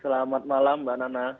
selamat malam mbak nana